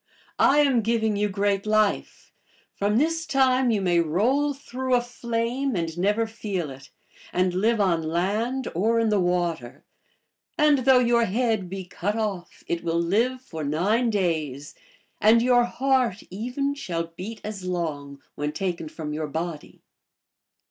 I am giving you great life. From this time you may roll through a flame and never feel it, and live on land or in the water. And though your head be cut off, it will live for nine days, and your heart, even, shall beat as long when taken from your body."